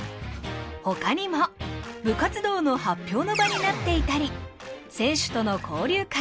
ほかにも部活動の発表の場になっていたり選手との交流会